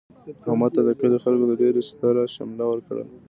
احمد ته د کلي خلکو د ډېر ستره شمله ورکړله.